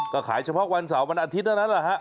ก็ขายเฉพาะวันเสาร์วันอาทิตย์เท่านั้นแหละฮะ